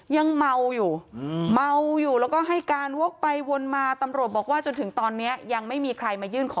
ยังเมาอยู่เมาอยู่แล้วก็ให้การวกไปวนมาตำรวจบอกว่าจนถึงตอนนี้ยังไม่มีใครมายื่นขอ